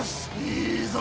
いいぞ！